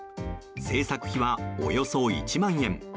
製作費は、およそ１万円。